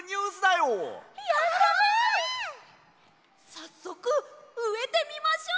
さっそくうえてみましょう！